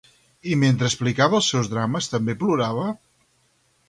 I mentre explicava els seus drames, també plorava?